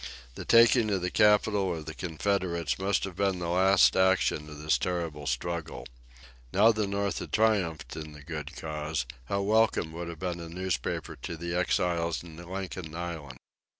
The taking of the capital of the Confederates must have been the last action of this terrible struggle. Now the North had triumphed in the good cause, how welcome would have been a newspaper to the exiles in Lincoln Island!